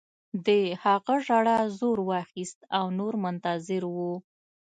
د هغه ژړا زور واخیست او نور منتظر وو